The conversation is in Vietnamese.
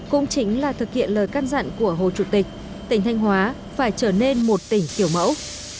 cũng chính là thực hiện lời căn dặn của hồ chủ tịch tỉnh thanh hóa phải trở nên một tỉnh kiểu mẫu